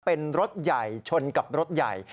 เป็นรถใหญ่ชนกับรถใหญ่